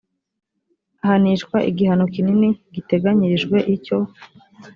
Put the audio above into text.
ahanishwa igihano kinini giteganyirijwe icyo